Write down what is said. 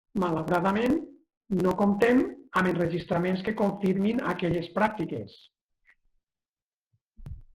Malauradament, no comptem amb enregistraments que confirmin aquelles pràctiques.